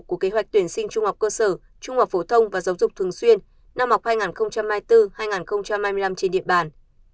của kế hoạch tuyển sinh trung học cơ sở trung học phổ thông và giáo dục thường xuyên năm học hai nghìn hai mươi bốn hai nghìn hai mươi năm trên địa bàn